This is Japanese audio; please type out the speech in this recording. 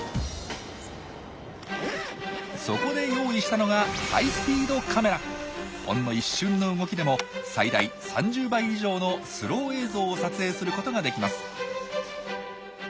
そこで用意したのがほんの一瞬の動きでも最大３０倍以上のスロー映像を撮影することができます。